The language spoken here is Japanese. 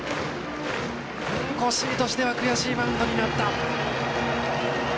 越井としては悔しいマウンドになった。